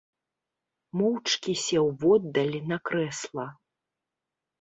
Моўчкі сеў воддаль на крэсла.